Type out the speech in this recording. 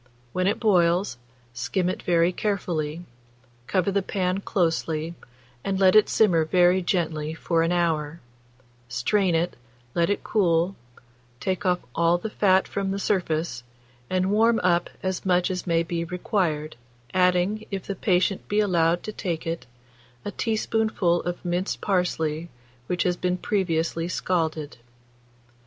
When it boils, skim it very carefully, cover the pan closely, and let it simmer very gently for an hour; strain it, let it cool, take off all the fat from the surface, and warm up as much as may be required, adding, if the patient be allowed to take it, a teaspoonful of minced parsley which has been previously scalded.